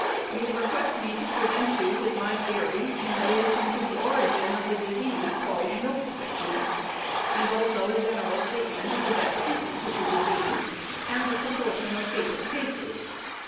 You request me to present you with my theory in relation to the origin of the disease called "milk sickness," and also a "general statement of the best treatment of the disease," and the proportion of fatal cases.